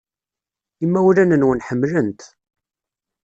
Imawlan-nwen ḥemmlen-t.